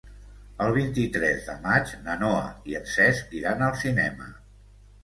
El vint-i-tres de maig na Noa i en Cesc iran al cinema.